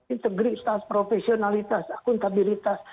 integritas profesionalitas akuntabilitas